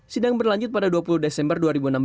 sidang berlanjut pada dua puluh desember dua ribu enam belas